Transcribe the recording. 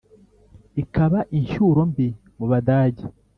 Ikaba inshyuro mbi mu badage.